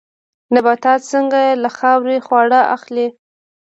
نباتات څنګه له خاورې خواړه اخلي؟